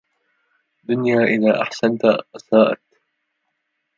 دنيا إذا أحسنت أساءت